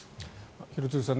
廣津留さん